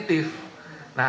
jadi ini adalah jaring